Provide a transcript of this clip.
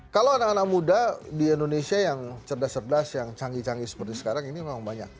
kalau anak anak muda di indonesia yang cerdas cerdas yang canggih canggih seperti sekarang ini memang banyak